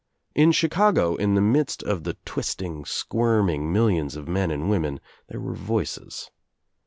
In Chicago, in I the midst of the twisting squirming millions of men and women there were voices.